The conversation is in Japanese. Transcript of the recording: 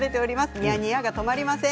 ニヤニヤが止まりません。